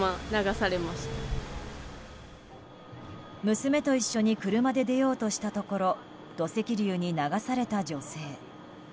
娘と一緒に車で出ようとしたところ土石流に流された女性。